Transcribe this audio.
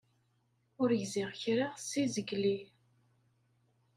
Ur gziɣ kra seg zgelli.